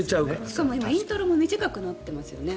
しかも今イントロが短くなっていますよね。